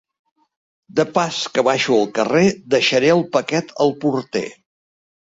De pas que baixo al carrer, deixaré el paquet al porter.